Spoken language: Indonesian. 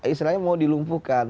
istilahnya mau dilumpuhkan